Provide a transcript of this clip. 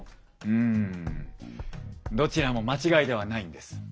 うんどちらも間違いではないんです。